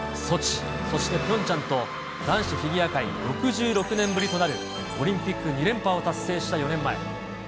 ソチ、そしてピョンチャンと男子フィギュア界６６年ぶりとなる、オリンピック２連覇を達成した４年前。